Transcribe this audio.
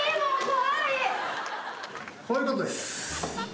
こういうことです。